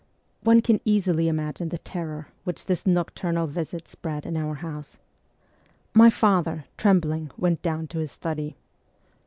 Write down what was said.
One can easily imagine the terror which this noctur nal visit spread in our house. My father, trembling, went down to his study.